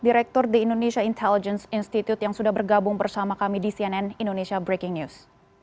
direktur the indonesia intelligence institute yang sudah bergabung bersama kami di cnn indonesia breaking news